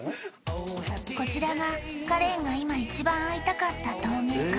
こちらがカレンが今一番会いたかった陶芸家